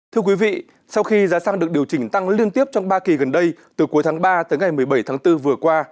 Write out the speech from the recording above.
thưa quý vị sau khi giá xăng được điều chỉnh tăng liên tiếp trong ba kỳ gần đây từ cuối tháng ba tới ngày một mươi bảy tháng bốn vừa qua